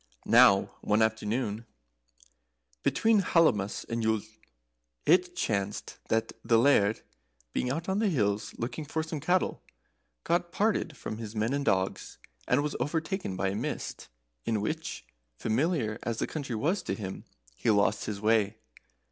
] Now one afternoon, between Hallowmas and Yule, it chanced that the Laird, being out on the hills looking for some cattle, got parted from his men and dogs and was overtaken by a mist, in which, familiar as the country was to him, he lost his way.